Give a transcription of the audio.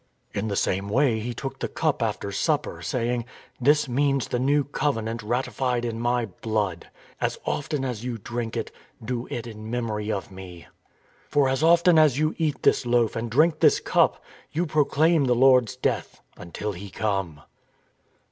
" In the same way He took the cup after supper, saying :"* This means the new covenant ratified by My blood; as often as you drink it, do it in memory of Me.' " For as often as you eat this loaf and drink this cup, you proclaim the Lord's death until He come."